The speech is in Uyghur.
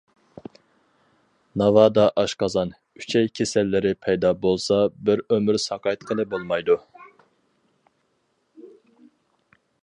ناۋادا ئاشقازان، ئۈچەي كېسەللىرى پەيدا بولسا بىر ئۆمۈر ساقايتقىلى بولمايدۇ.